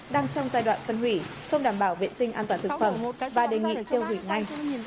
đang trong giai đoạn phân hủy không đảm bảo vệ sinh an toàn thực phẩm và đề nghị tiêu hủy ngay